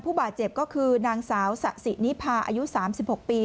ผู้บาดเจ็บก็คือนางสาวสะสินิพาอายุ๓๖ปี